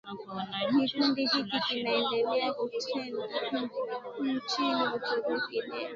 Kikundi hiki kinaendelea kutenda nchini Uturuki leo